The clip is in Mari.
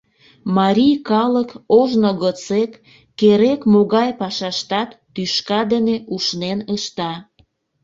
Марий калык ожно годсек керек-могай пашаштат тӱшка дене ушнен ышта.